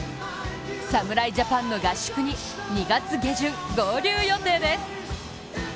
侍ジャパンの合宿に２月下旬合流予定です。